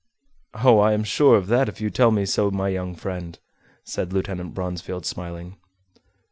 "Oh! I am sure of that, if you tell me so, my young friend," said Lieutenant Bronsfield, smiling.